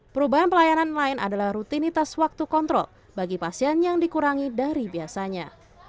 perubahan pelayanan lain adalah rutinitas waktu kontrol bagi pasien yang dikurangi dari biasanya